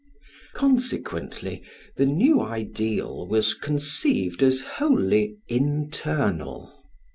Consequently the new ideal was conceived as wholly internal.